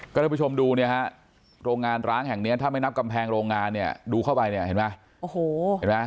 ก็ได้ไปชมดูเนี่ยรองงานร้างแห่งเนี้ยถ้าไม่นับกำแพงโรงงานเนี่ยดูเข้าไปเนี่ยเห็นมั้ย